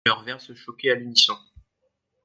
Leurs verres se choquaient à l'unisson.